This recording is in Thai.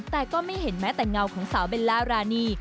แต่ก็ไม่เห็นแม้แต่เงาของสาวเบลล่ารานี